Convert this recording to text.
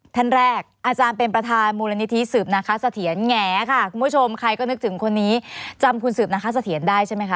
ท่านแรกอาจารย์เป็นประธานมูลนิธิสืบนาคาเสถียรแง่ค่ะคุณผู้ชม